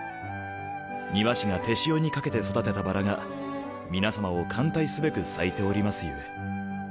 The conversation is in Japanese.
庭師が手塩にかけて育てたバラが皆様を歓待すべく咲いておりますゆえ。